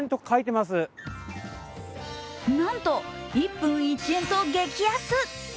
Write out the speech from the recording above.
なんと、１分１円と激安。